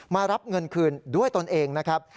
มารับเงินคืนด้วยตนเองนะครับ